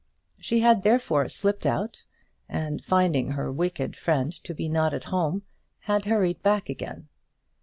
She had, therefore, slipped out, and finding her wicked friend to be not at home, had hurried back again.